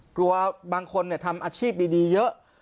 กลัวบางคนทำอาชีพดีเยอะ